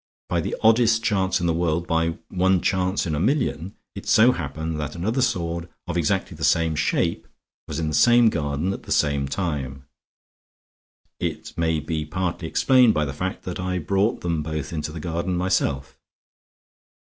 By the oddest chance in the world, by one chance in a million, it so happened that another sword of exactly the same shape was in the same garden at the same time. It may be partly explained, by the fact that I brought them both into the garden myself